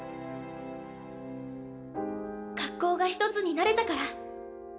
「学校が一つになれたから。